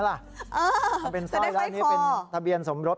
เออทำเป็นสร้อยแล้วนี่เป็นทะเบียนสมรส